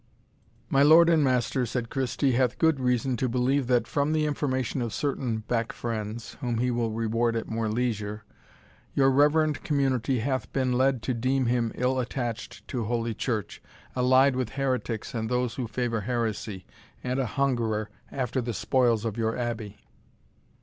"My lord and master," said Christie, "hath good reason to believe that, from the information of certain back friends, whom he will reward at more leisure, your reverend community hath been led to deem him ill attached to Holy Church, allied with heretics and those who favour heresy, and a hungerer after the spoils of your Abbey."